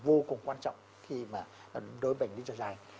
vô cùng quan trọng khi mà đối bệnh lý cho dài